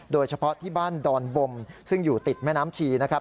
โดยเฉพาะที่บ้านดอนบมซึ่งอยู่ติดแม่น้ำชีนะครับ